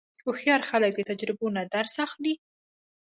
هوښیار خلک د تجربو نه درس اخلي.